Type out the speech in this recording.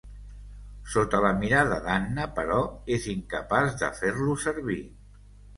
Sota la mirada d'Anna, però, és incapaç de fer-lo servir.